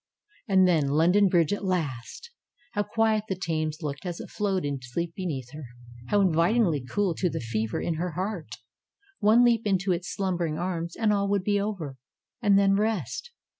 And then London Bridge at last! How quiet the Thames looked as it flowed in sleep beneath her ! How MIRABELLE 121 invitingly cool to the fever in her heart! One leap into its slumbering arms, and all would be over. And then rest